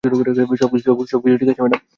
সবকিছু ঠিক আছে, ম্যাডাম।